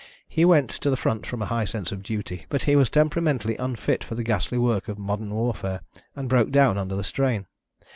He went to the front from a high sense of duty, but he was temperamentally unfit for the ghastly work of modern warfare, and broke down under the strain.